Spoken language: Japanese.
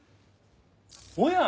おや！